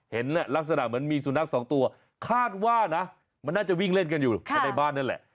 ลักษณะเหมือนมีสุนัขสองตัวคาดว่านะมันน่าจะวิ่งเล่นกันอยู่ภายในบ้านนั่นแหละ